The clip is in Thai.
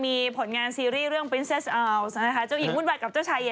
ก็แฟนส่วนใหญ่เขาอยู่เมืองไทย